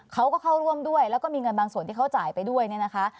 เขาก็เข้าร่วมด้วยแล้วก็มีเงินบางส่วนที่เขาจ่ายไปด้วยเนี่ยนะคะ